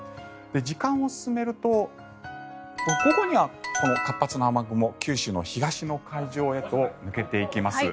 時間を進めると午後には活発な雨雲九州の東の海上へと抜けていきます。